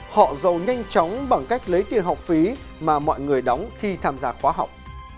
họ giàu nhanh chóng bằng cách lấy tiền học phí mà mọi người đóng khi tham gia khóa học